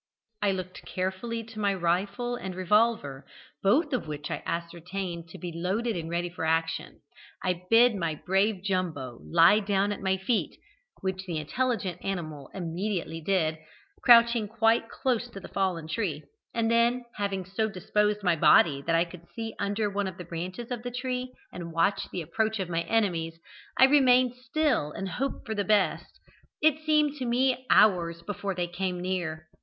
I looked carefully to my rifle and revolver, both of which I ascertained to be loaded and ready for action, I bid my brave Jumbo lie down at my feet, which the intelligent animal immediately did, crouching quite close to the fallen tree, and then, having so disposed my body that I could see under one of the branches of the tree, and watch the approach of my enemies, I remained still and hoped for the best. It seemed to me hours before they came near.